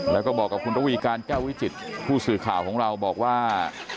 แล้วก็บอกกับคุณระวีการแก้ววิจิตผู้สื่อข่าวของเราบอกว่า